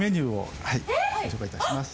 ご紹介いたします。